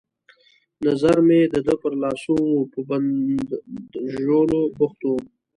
نظر مې د ده پر لاسو وو، په بنداژولو بوخت وو.